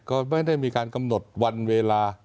ก็ไม่ได้มีการกำหนดวันเวลา